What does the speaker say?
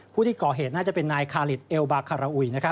ผู้ที่ก่อเหตุน่าจะเป็นนายคาลิดเอลบาคาราอุย